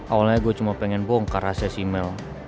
awalnya gue cuma pengen bongkar rahasia si mel